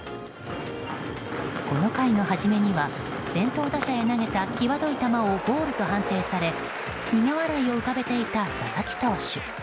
この回の初めには先頭打者へ投げた際どい球をボールと判定され苦笑いを浮かべていた佐々木投手。